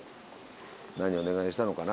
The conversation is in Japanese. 何お願いしたのかな？